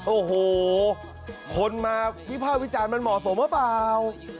โอ้โหคนมาวิภาควิจารณ์มันเหมาะสมหรือเปล่า